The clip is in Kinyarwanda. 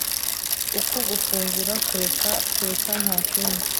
uku gufungura, kureka, kureka ntakindi